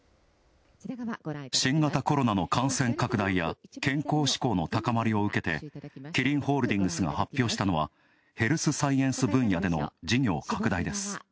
新型コロナの感染拡大や健康志向の高まりを受けて、キリンホールディングスが発表したのはヘルスサイエンス分野での事業拡大です。